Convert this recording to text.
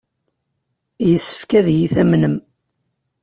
Yessefk ad iyi-tamnem.